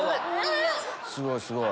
すごいすごい。